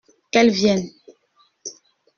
Qu’elles viennent !